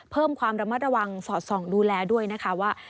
เพิ่มความระมัดระวังสอดส่องดูแลด้วยนะคะว่า